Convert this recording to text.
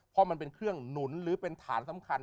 เพราะมันเป็นเครื่องหนุนหรือเป็นฐานสำคัญ